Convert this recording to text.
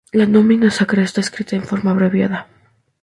La nomina sacra está escrita en forma abreviada.